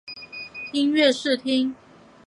音乐试听